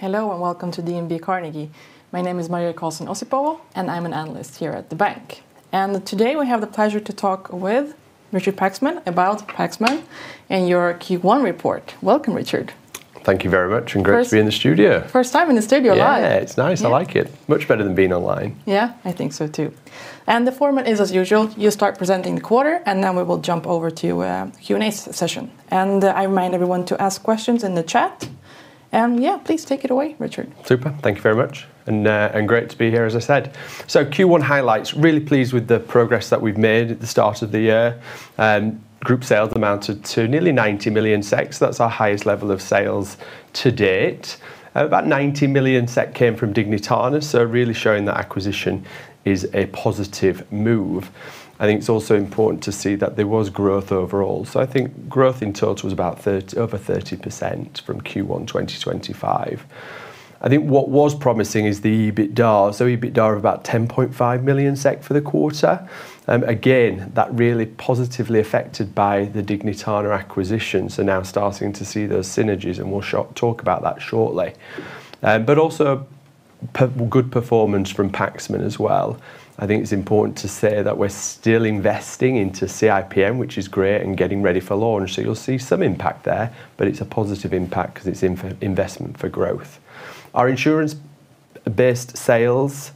Hello, welcome to DNB Carnegie. My name is Maria Karlsson Osipova, I'm an analyst here at the bank. Today we have the pleasure to talk with Richard Paxman about Paxman and your Q1 report. Welcome, Richard. Thank you very much, and great to be in the studio. First time in the studio live. Yeah, it's nice. I like it. Much better than being online. Yeah, I think so too. The format is as usual. You start presenting the quarter, and then we will jump over to a Q&A session. I remind everyone to ask questions in the chat. Yeah, please take it away, Richard. Super. Thank you very much, and great to be here, as I said. Q1 highlights, really pleased with the progress that we've made at the start of the year. Group sales amounted to nearly 90 million. That's our highest level of sales to date. About 90 million SEK came from Dignitana, so really showing that acquisition is a positive move. I think it's also important to see that there was growth overall. I think growth in total was about over 30% from Q1 2025. I think what was promising is the EBITDA. EBITDA of about 10.5 million SEK for the quarter. Again, that really positively affected by the Dignitana acquisition, so now starting to see those synergies, and we'll talk about that shortly. Also good performance from Paxman as well. I think it's important to say that we're still investing into CIPN, which is great, and getting ready for launch. You'll see some impact there, but it's a positive impact because it's investment for growth. Our insurance-based sales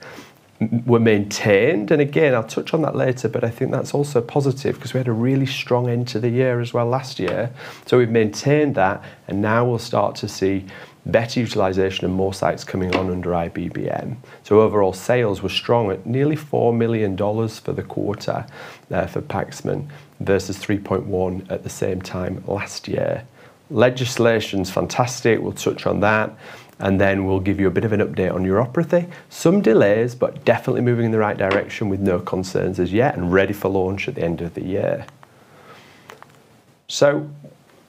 were maintained, and again, I'll touch on that later, but I think that's also positive because we had a really strong end to the year as well last year. We've maintained that, and now we'll start to see better utilization and more sites coming on under IBBM. Overall sales were strong at nearly $4 million for the quarter for Paxman versus $3.1 at the same time last year. Legislation's fantastic. We'll touch on that, and then we'll give you a bit of an update on neuropathy. Some delays, but definitely moving in the right direction with no concerns as yet and ready for launch at the end of the year.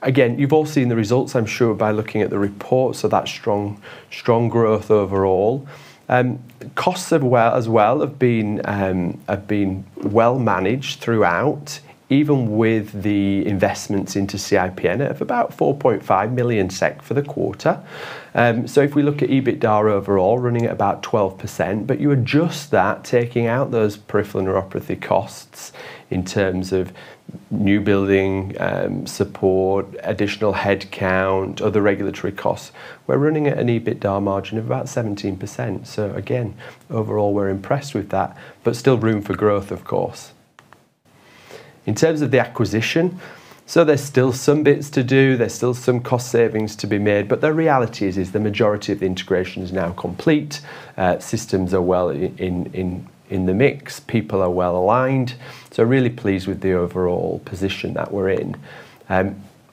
You've all seen the results, I'm sure, by looking at the reports of that strong growth overall. Costs as well have been well managed throughout, even with the investments into CIPN of about 4.5 million SEK for the quarter. If we look at EBITDA overall, running at about 12%, but you adjust that, taking out those peripheral neuropathy costs in terms of new building, support, additional headcount, other regulatory costs. We're running at an EBITDA margin of about 17%. Overall, we're impressed with that, but still room for growth, of course. In terms of the acquisition, there's still some bits to do. There's still some cost savings to be made. The reality is the majority of the integration is now complete. Systems are well in the mix. People are well aligned. Really pleased with the overall position that we're in.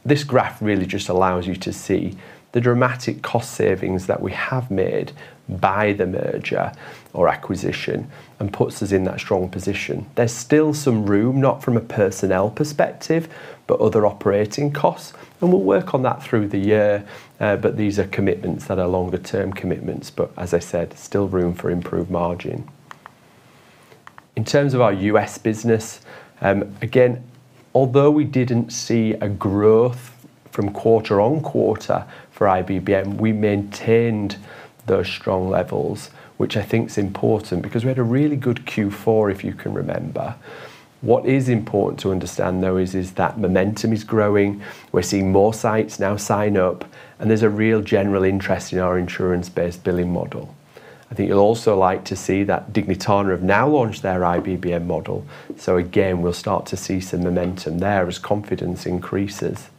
This graph really just allows you to see the dramatic cost savings that we have made by the merger or acquisition and puts us in that strong position. There's still some room, not from a personnel perspective, but other operating costs, and we'll work on that through the year. These are commitments that are longer-term commitments. As I said, still room for improved margin. In terms of our U.S. business, again, although we didn't see a growth from quarter-on-quarter for IBBM, we maintained those strong levels, which I think is important because we had a really good Q4, if you can remember. What is important to understand, though, is that momentum is growing. We're seeing more sites now sign up, and there's a real general interest in our insurance-based billing model. I think you'll also like to see that Dignitana have now launched their IBBM model. Again, we'll start to see some momentum there as confidence increases.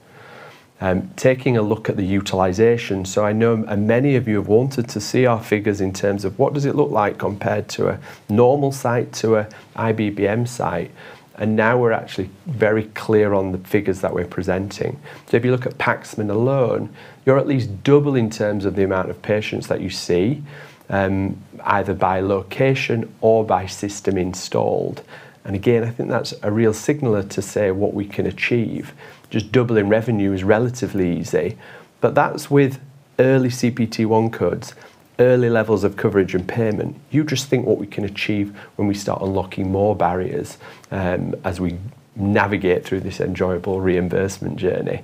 Taking a look at the utilization. I know many of you have wanted to see our figures in terms of what does it look like compared to a normal site to an IBBM site, and now we're actually very clear on the figures that we're presenting. If you look at Paxman alone, you're at least double in terms of the amount of patients that you see, either by location or by system installed. Again, I think that's a real signaler to say what we can achieve. Just doubling revenue is relatively easy, but that's with early CPT 1 codes, early levels of coverage and payment. You just think what we can achieve when we start unlocking more barriers as we navigate through this enjoyable reimbursement journey.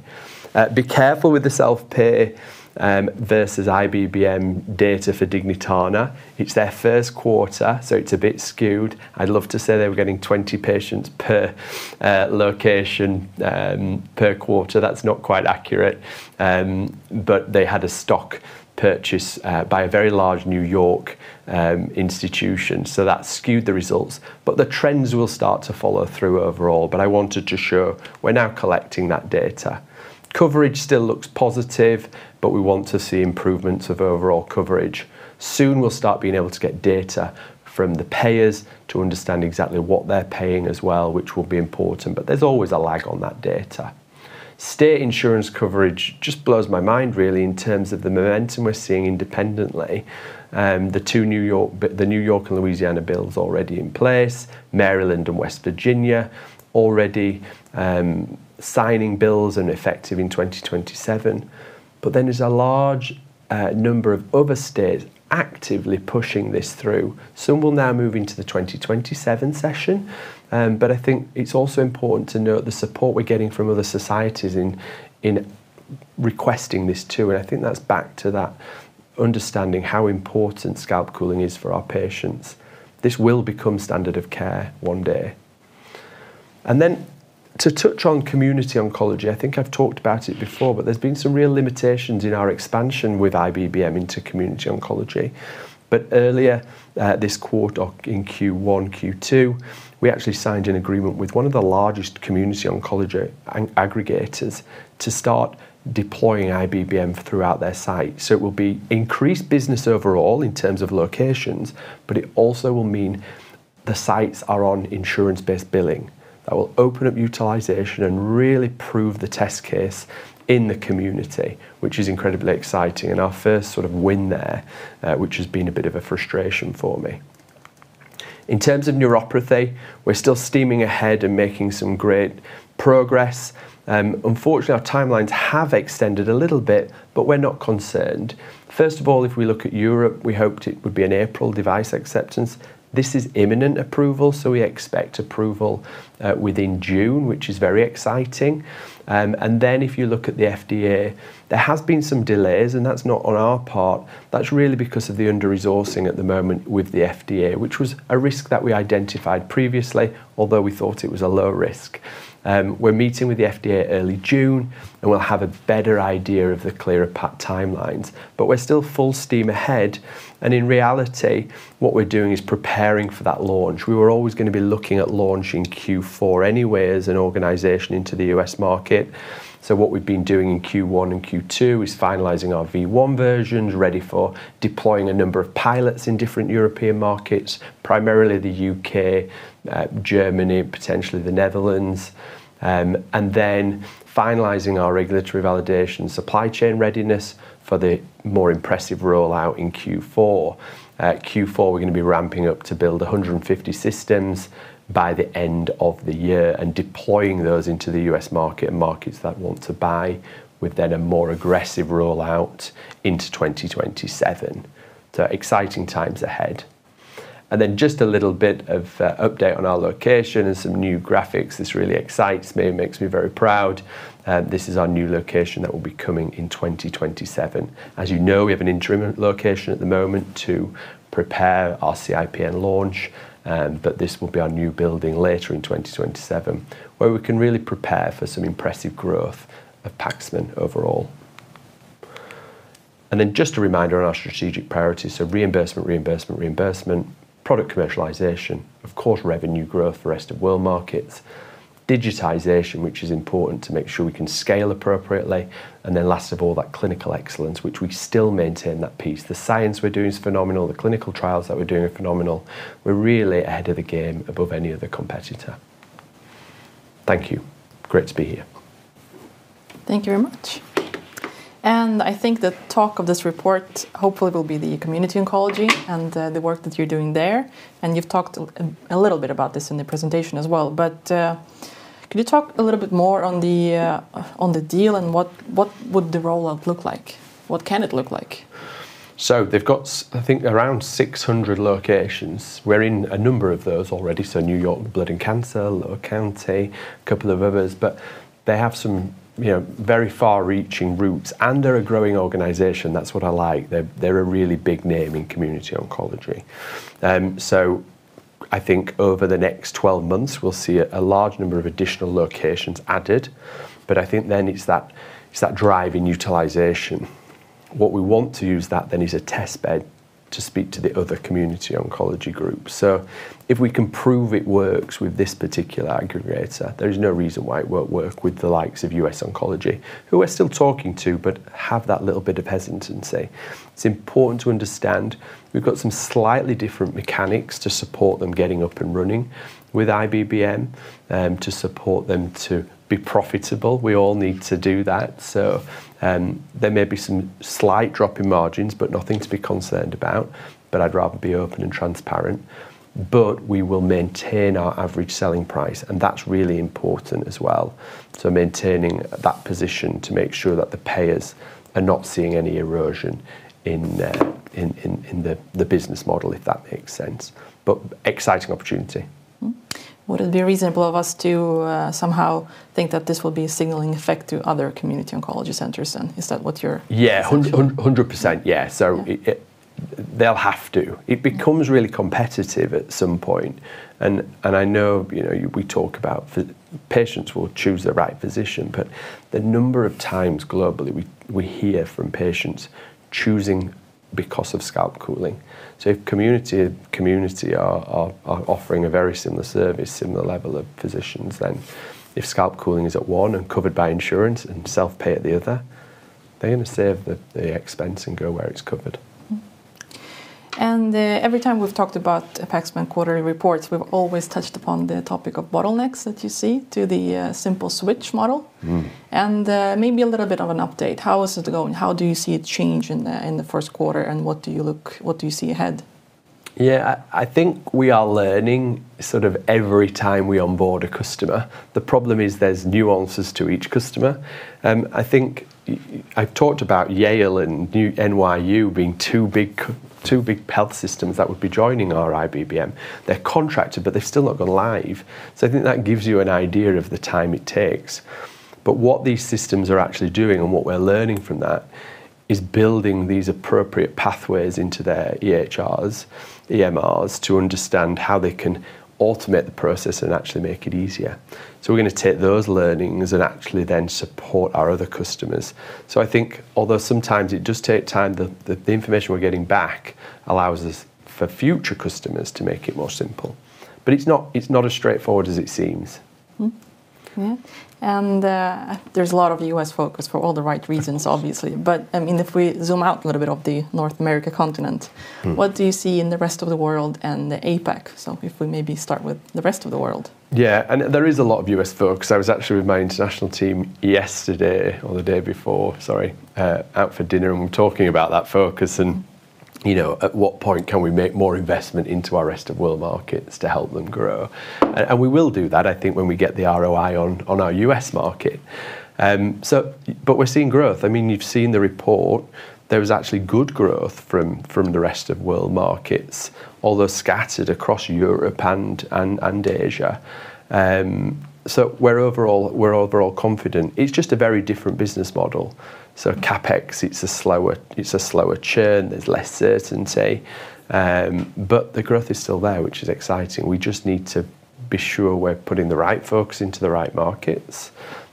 Be careful with the self-pay versus IBBM data for Dignitana. It's their first quarter, so it's a bit skewed. I'd love to say they were getting 20 patients per location per quarter. That's not quite accurate. They had a stock purchase by a very large New York institution, so that skewed the results. The trends will start to follow through overall. I wanted to show we're now collecting that data. Coverage still looks positive, but we want to see improvements of overall coverage. Soon we'll start being able to get data from the payers to understand exactly what they're paying as well, which will be important. There's always a lag on that data. State insurance coverage just blows my mind, really, in terms of the momentum we're seeing independently. The N.Y. and Louisiana bill is already in place. Maryland and West Virginia already signing bills and effective in 2027. There's a large number of other states actively pushing this through. Some will now move into the 2027 session. I think it's also important to note the support we're getting from other societies requesting this too, and I think that's back to that understanding how important scalp cooling is for our patients. This will become standard of care one day. To touch on community oncology, I think I've talked about it before, but there's been some real limitations in our expansion with IBBM into community oncology. Earlier this quarter, in Q1, Q2, we actually signed an agreement with one of the largest community oncology aggregators to start deploying IBBM throughout their site. It will be increased business overall in terms of locations, but it also will mean the sites are on insurance-based billing. That will open up utilization and really prove the test case in the community, which is incredibly exciting and our first sort of win there, which has been a bit of a frustration for me. In terms of neuropathy, we're still steaming ahead and making some great progress. Unfortunately, our timelines have extended a little bit, but we're not concerned. First of all, if we look at Europe, we hoped it would be an April device acceptance. This is imminent approval, so we expect approval within June, which is very exciting. If you look at the FDA, there has been some delays, and that's not on our part. That's really because of the under-resourcing at the moment with the FDA, which was a risk that we identified previously, although we thought it was a low risk. We're meeting with the FDA early June, and we'll have a better idea of the clearer timelines. We're still full steam ahead, and in reality, what we're doing is preparing for that launch. We were always going to be looking at launching Q4 anyway as an organization into the U.S. market. What we've been doing in Q1 and Q2 is finalizing our V1 versions, ready for deploying a number of pilots in different European markets, primarily the U.K., Germany, potentially the Netherlands. Finalizing our regulatory validation supply chain readiness for the more impressive rollout in Q4. Q4, we're going to be ramping up to build 150 systems by the end of the year and deploying those into the U.S. market and markets that want to buy, with a more aggressive rollout into 2027. Exciting times ahead. Just a little bit of update on our location and some new graphics. This really excites me and makes me very proud. This is our new location that will be coming in 2027. As you know, we have an interim location at the moment to prepare our CIPN launch, but this will be our new building later in 2027, where we can really prepare for some impressive growth of Paxman overall. Just a reminder on our strategic priorities. Reimbursement, reimbursement, product commercialization, of course, revenue growth for rest of world markets, digitization, which is important to make sure we can scale appropriately, and then last of all, that clinical excellence, which we still maintain that piece. The science we are doing is phenomenal. The clinical trials that we are doing are phenomenal. We are really ahead of the game above any other competitor. Thank you. Great to be here. Thank you very much. I think the talk of this report hopefully will be the community oncology and the work that you're doing there. You've talked a little bit about this in the presentation as well. Could you talk a little bit more on the deal and what would the rollout look like? What can it look like? They've got, I think, around 600 locations. We're in a number of those already, New York Cancer & Blood Specialists, Low Country Cancer Care, a couple of others, but they have some very far-reaching roots, and they're a growing organization. That's what I like. They're a really big name in community oncology. I think over the next 12 months, we'll see a large number of additional locations added, but I think then it's that drive in utilization. What we want to use that then is a test bed to speak to the other community oncology groups. If we can prove it works with this particular aggregator, there is no reason why it won't work with the likes of US Oncology, who we're still talking to but have that little bit of hesitancy. It's important to understand we've got some slightly different mechanics to support them getting up and running with IBBM, to support them to be profitable. We all need to do that. There may be some slight drop in margins, but nothing to be concerned about, but I'd rather be open and transparent. We will maintain our average selling price, and that's really important as well. Maintaining that position to make sure that the payers are not seeing any erosion in the business model, if that makes sense. Exciting opportunity. Would it be reasonable of us to somehow think that this will be a signaling effect to other community oncology centers then? Is that what you're? Yeah. 100%, yeah. They'll have to. It becomes really competitive at some point, and I know we talk about patients will choose the right physician, but the number of times globally we hear from patients choosing because of scalp cooling. If community are offering a very similar service, similar level of physicians, then if scalp cooling is at one and covered by insurance and self-pay at the other, they're going to save the expense and go where it's covered. Every time we've talked about Paxman quarterly reports, we've always touched upon the topic of bottlenecks that you see to the simple switch model. Maybe a little bit of an update. How is it going? How do you see a change in the first quarter and what do you see ahead? Yeah, I think we are learning sort of every time we onboard a customer. The problem is there's nuances to each customer. I think I've talked about Yale and NYU being two big health systems that would be joining our IBBM. They're contracted, they've still not gone live. I think that gives you an idea of the time it takes. What these systems are actually doing and what we're learning from that is building these appropriate pathways into their EHRs, EMRs, to understand how they can automate the process and actually make it easier. We're going to take those learnings and actually support our other customers. I think although sometimes it does take time, the information we're getting back allows us, for future customers, to make it more simple. It's not as straightforward as it seems. Yeah. There's a lot of U.S. focus, for all the right reasons, obviously. If we zoom out a little bit of the North America continent, what do you see in the rest of the world and the APAC? If we maybe start with the rest of the world. Yeah. There is a lot of U.S. focus. I was actually with my international team yesterday, or the day before, sorry, out for dinner, and we were talking about that focus and at what point can we make more investment into our rest of world markets to help them grow. We will do that, I think, when we get the ROI on our U.S. market. We're seeing growth. You've seen the report. There was actually good growth from the rest of world markets, although scattered across Europe and Asia. We're overall confident. It's just a very different business model. CapEx, it's a slower churn. There's less certainty. The growth is still there, which is exciting. We just need to be sure we're putting the right focus into the right markets,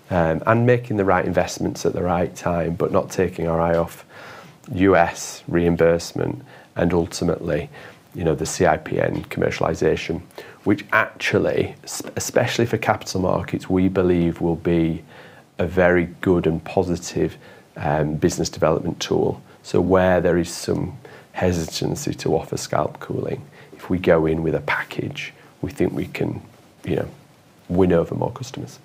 and making the right investments at the right time, but not taking our eye off U.S. reimbursement and ultimately, the CIPN commercialization, which actually, especially for capital markets, we believe will be a very good and positive business development tool. Where there is some hesitancy to offer scalp cooling, if we go in with a package, we think we can win over more customers.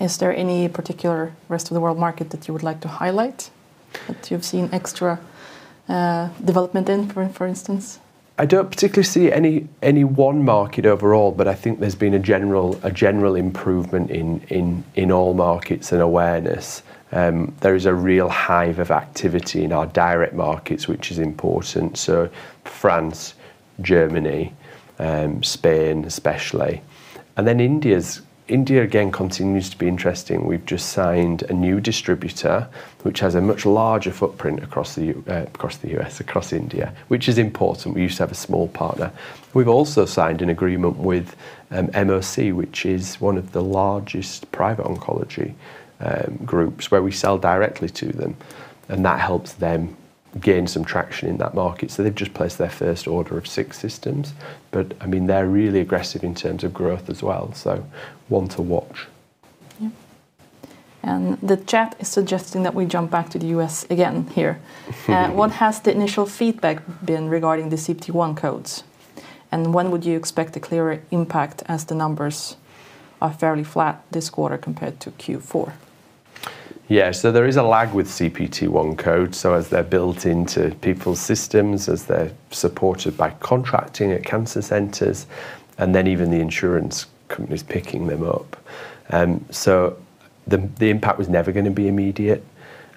Is there any particular rest of the world market that you would like to highlight that you've seen extra development in, for instance? I don't particularly see any one market overall, but I think there's been a general improvement in all markets and awareness. There is a real hive of activity in our direct markets, which is important, France, Germany, Spain especially. India, again, continues to be interesting. We've just signed a new distributor, which has a much larger footprint across the U.S., across India, which is important. We used to have a small partner. We've also signed an agreement with MOC, which is one of the largest private oncology groups, where we sell directly to them, and that helps them gain some traction in that market. They've just placed their first order of six systems. They're really aggressive in terms of growth as well, one to watch. Yeah. The chat is suggesting that we jump back to the U.S. again here. Sure. What has the initial feedback been regarding the CPT 1 codes, and when would you expect a clearer impact, as the numbers are fairly flat this quarter compared to Q4? There is a lag with CPT 1 codes, so as they're built into people's systems, as they're supported by contracting at cancer centers, and then even the insurance companies picking them up. The impact was never going to be immediate.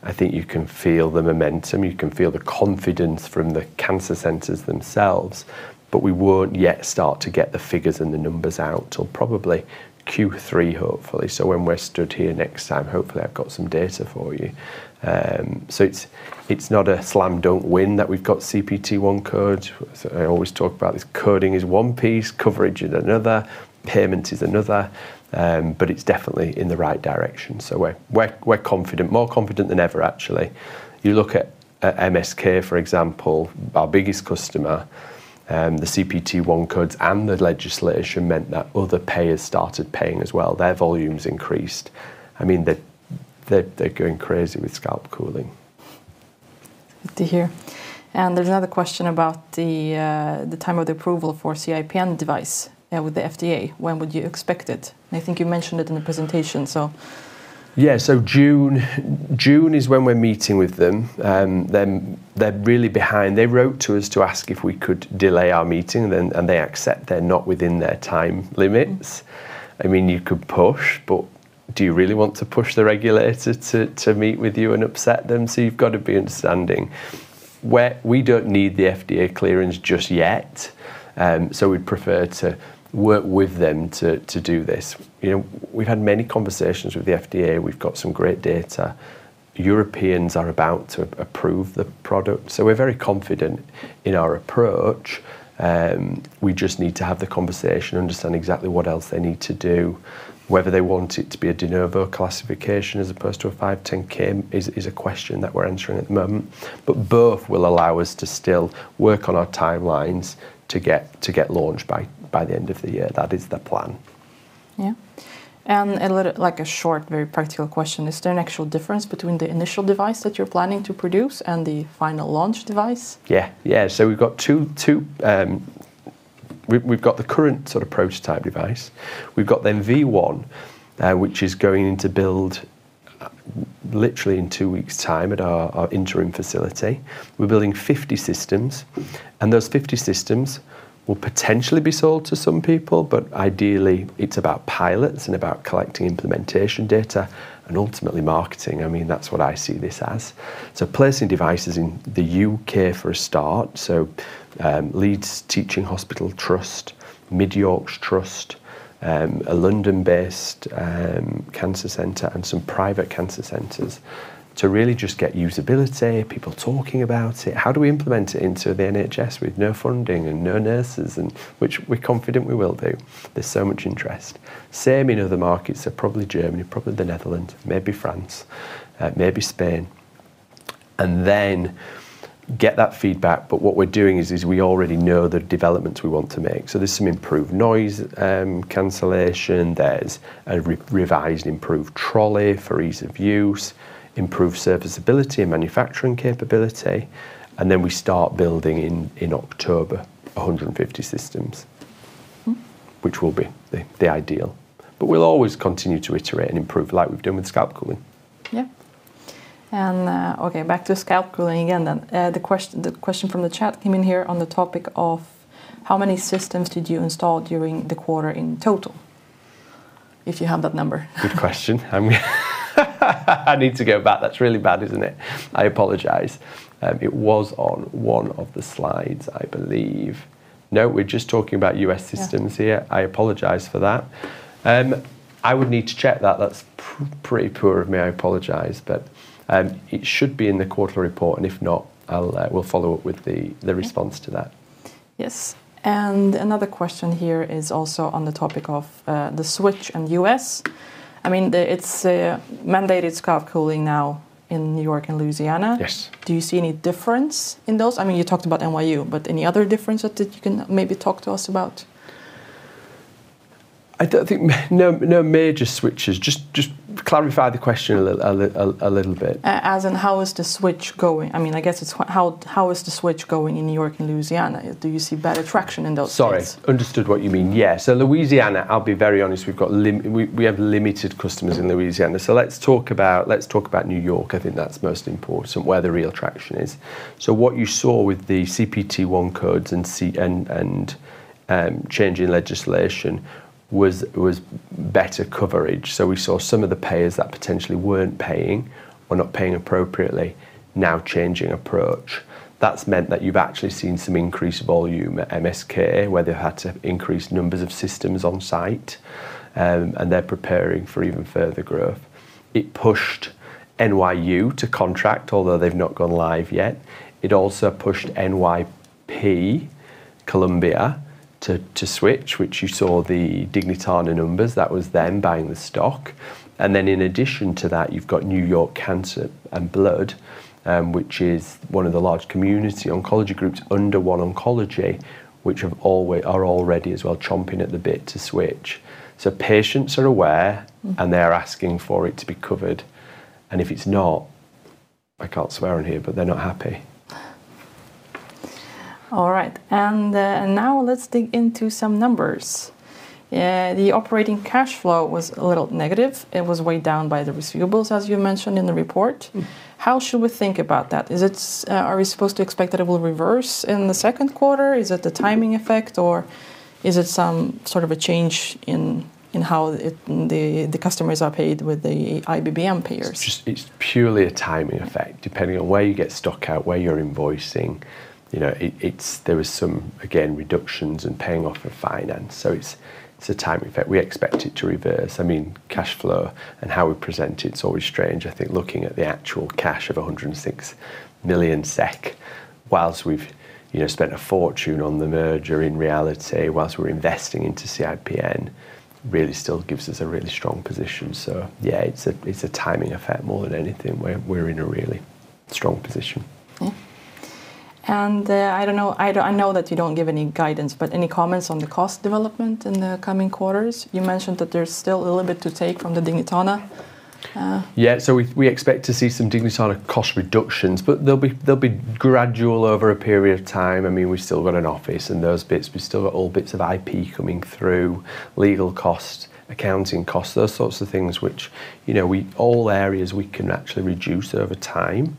I think you can feel the momentum. You can feel the confidence from the cancer centers themselves. We won't yet start to get the figures and the numbers out till probably Q3, hopefully. When we're stood here next time, hopefully I've got some data for you. It's not a slam dunk win that we've got CPT 1 codes. I always talk about this. Coding is one piece, coverage is another, payment is another. It's definitely in the right direction, so we're confident. More confident than ever, actually. You look at MSK, for example, our biggest customer, the CPT 1 codes and the legislation meant that other payers started paying as well. Their volumes increased. They're going crazy with scalp cooling. Good to hear. There's another question about the time of the approval for CIPN device with the FDA. When would you expect it? I think you mentioned it in the presentation. Yeah. June is when we're meeting with them. They're really behind. They wrote to us to ask if we could delay our meeting, and they accept they're not within their time limits. You could push, but do you really want to push the regulator to meet with you and upset them? You've got to be understanding. We don't need the FDA clearance just yet, so we'd prefer to work with them to do this. We've had many conversations with the FDA. We've got some great data. Europeans are about to approve the product, so we're very confident in our approach. We just need to have the conversation, understand exactly what else they need to do, whether they want it to be a de novo classification as opposed to a 510(k) is a question that we're answering at the moment. Both will allow us to still work on our timelines to get launched by the end of the year. That is the plan. Yeah. Like a short, very practical question. Is there an actual difference between the initial device that you're planning to produce and the final launch device? Yeah. We've got the current sort of prototype device. We've got, then, V1, which is going into build literally in two weeks time at our interim facility, we're building 50 systems. Those 50 systems will potentially be sold to some people, ideally it's about pilots and about collecting implementation data and ultimately marketing. That's what I see this as. Placing devices in the U.K. for a start. Leeds Teaching Hospitals NHS Trust, The Mid Yorkshire Hospitals NHS Trust, a London-based cancer center, and some private cancer centers to really just get usability, people talking about it. How do we implement it into the NHS with no funding and no nurses? Which we're confident we will do, there's so much interest. Same in other markets, probably Germany, probably the Netherlands, maybe France, maybe Spain, get that feedback. What we're doing is we already know the developments we want to make. There's some improved noise cancellation, there's a revised improved trolley for ease of use, improved serviceability and manufacturing capability. We start building in October, 150 systems, which will be the ideal. We'll always continue to iterate and improve like we've done with scalp cooling. Yeah. Okay, back to scalp cooling again then. The question from the chat came in here on the topic of how many systems did you install during the quarter in total, if you have that number? Good question. I need to go back. That's really bad, isn't it? I apologize. It was on one of the slides, I believe. No, we're just talking about U.S. systems here. Yeah. I apologize for that. I would need to check that. That's pretty poor of me. I apologize. It should be in the quarterly report, and if not, we'll follow up with the response to that. Yes. Another question here is also on the topic of the switch in the U.S. It's mandated scalp cooling now in New York and Louisiana. Yes. Do you see any difference in those? You talked about NYU, but any other differences that you can maybe talk to us about? I think no major switches. Just clarify the question a little bit. As in how is the switch going? I guess it's how is the switch going in New York and Louisiana? Do you see better traction in those states? Sorry. Understood what you mean. Yeah. Louisiana, I'll be very honest, we have limited customers in Louisiana. Let's talk about New York. I think that's most important, where the real traction is. What you saw with the CPT-1 codes and changing legislation was better coverage. We saw some of the payers that potentially weren't paying or not paying appropriately now changing approach. That's meant that you've actually seen some increased volume at MSK, where they've had to increase numbers of systems on site, and they're preparing for even further growth. It pushed NYU to contract, although they've not gone live yet. It also pushed NYP, Columbia to switch, which you saw the Dignitana numbers. That was them buying the stock. In addition to that, you've got New York Cancer and Blood, which is one of the large community oncology groups under OneOncology, which are all ready as well, chomping at the bit to switch. Patients are aware, and they're asking for it to be covered, and if it's not, I can't swear on here, but they're not happy. All right. Now let's dig into some numbers. The operating cash flow was a little negative. It was weighed down by the receivables, as you mentioned in the report. How should we think about that? Are we supposed to expect that it will reverse in the second quarter? Is it a timing effect, or is it some sort of a change in how the customers are paid with the IBBM payers? It's purely a timing effect, depending on where you get stock out, where you're invoicing. There is some, again, reductions in paying off of finance. It's a timing effect. We expect it to reverse. Cash flow and how we present it's always strange. I think looking at the actual cash of 106 million SEK, whilst we've spent a fortune on the merger in reality, whilst we're investing into CIPN, really still gives us a really strong position. Yeah, it's a timing effect more than anything, where we're in a really strong position. I know that you don't give any guidance, but any comments on the cost development in the coming quarters? You mentioned that there's still a little bit to take from the Dignitana. We expect to see some Dignitana cost reductions, but they'll be gradual over a period of time. We've still got an office and those bits. We still got all bits of IP coming through, legal cost, accounting cost, those sorts of things which, all areas we can actually reduce over time.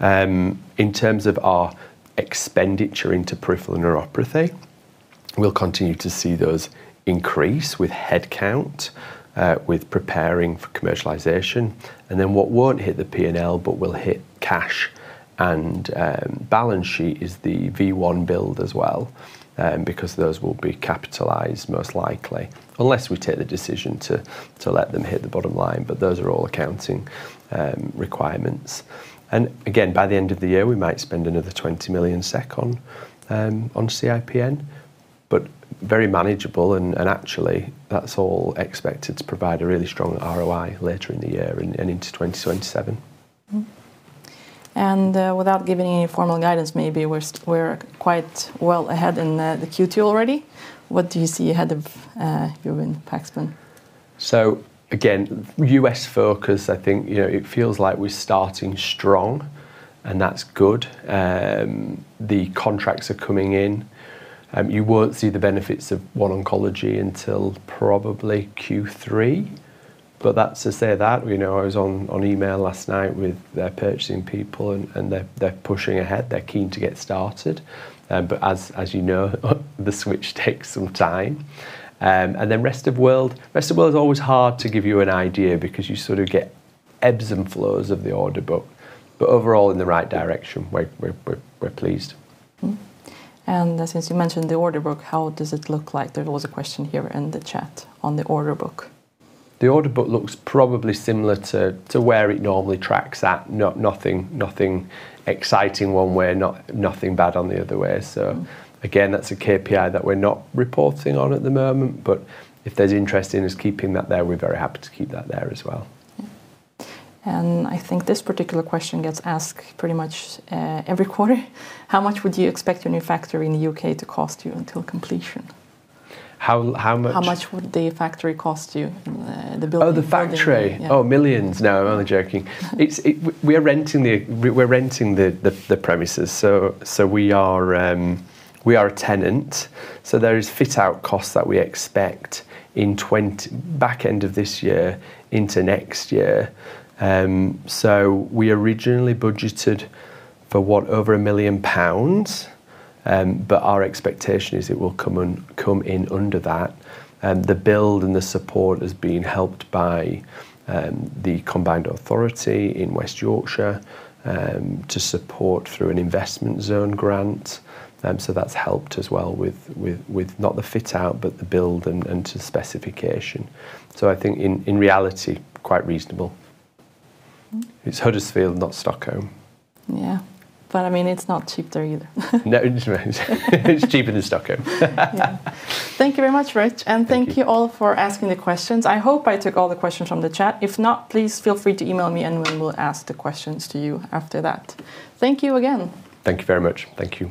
In terms of our expenditure into peripheral neuropathy, we'll continue to see those increase with headcount, with preparing for commercialization. What won't hit the P&L but will hit cash and balance sheet is the V1 build as well, because those will be capitalized most likely, unless we take the decision to let them hit the bottom line. Those are all accounting requirements. Again, by the end of the year, we might spend another 20 million SEK on CIPN, but very manageable and actually, that's all expected to provide a really strong ROI later in the year and into 2027. Without giving any formal guidance maybe, we're quite well ahead in the Q2 already. What do you see ahead of you in Paxman? Again, U.S. focus, I think, it feels like we're starting strong, and that's good. The contracts are coming in. You won't see the benefits of OneOncology until probably Q3. That's to say that, I was on email last night with their purchasing people, and they're pushing ahead. They're keen to get started. As you know, the switch takes some time. Rest of world. Rest of world's always hard to give you an idea because you sort of get ebbs and flows of the order book, but overall in the right direction. We're pleased. Since you mentioned the order book, how does it look like? There was a question here in the chat on the order book. The order book looks probably similar to where it normally tracks at. Nothing exciting one way, nothing bad on the other way. Again, that's a KPI that we're not reporting on at the moment, but if there's interest in us keeping that there, we're very happy to keep that there as well. Yeah. I think this particular question gets asked pretty much every quarter. How much would you expect your new factory in the U.K. to cost you until completion? How much? How much would the factory cost you? The building. Oh, the factory. Yeah. Oh, millions. No, I'm only joking. We're renting the premises, so we are a tenant. There is fit-out costs that we expect in back end of this year into next year. We originally budgeted for, what, over 1 million pounds. Our expectation is it will come in under that. The build and the support has been helped by the combined authority in West Yorkshire, to support through an investment zone grant. That's helped as well with not the fit-out, but the build and to specification. I think in reality, quite reasonable. It's Huddersfield, not Stockholm. Yeah. I mean, it's not cheap there either. No. It's cheaper than Stockholm. Yeah. Thank you very much, Rich. Thank you. Thank you all for asking the questions. I hope I took all the questions from the chat. If not, please feel free to email me, and we will ask the questions to you after that. Thank you again. Thank you very much. Thank you.